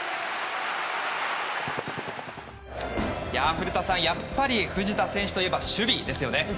古田さん、やっぱり藤田といえば守備ですよね。